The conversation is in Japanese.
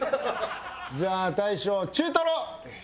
じゃあ大将中トロ。